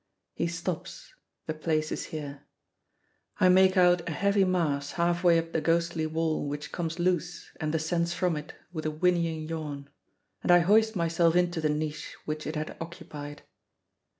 He stops; the place is here. I make out a heavy mass half way up the ghostly wall which comes loose and descends from it with a whinnying yawn, and I hoist myself into the niche which it had occupied.